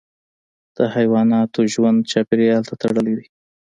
د حیواناتو ژوند چاپیریال ته تړلی دی.